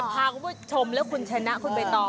พาของผู้ชมและคุณชนะคุณไปต่อ